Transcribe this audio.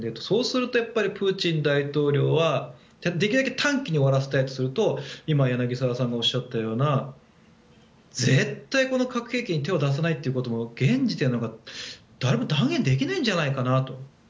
そうするとプーチン大統領はできるだけ短期に終わらせたいとすると今、柳澤さんがおっしゃったような絶対にこの核兵器に手を出さないということも現時点で誰も断言できないんじゃないかなと。